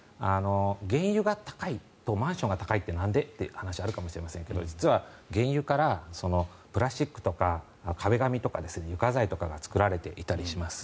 原油が高いとマンションが高いってなんで？という話があるかもしれませんが実は原油から、プラスチックとか壁紙とか床材とかが作られていたりします。